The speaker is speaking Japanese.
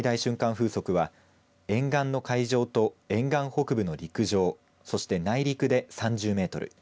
風速は沿岸の海上と沿岸北部の陸上そして内陸で３０メートル